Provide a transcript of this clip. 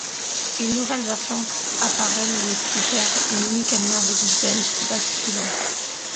Une nouvelle version apparaît, le Tipper, mini camion avec benne basculante.